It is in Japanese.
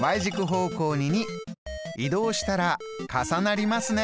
移動したら重なりますね。